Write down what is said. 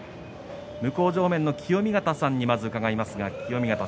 向正面の清見潟さんに伺います。